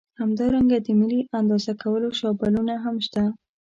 همدارنګه د ملي اندازه کولو شابلونونه هم شته.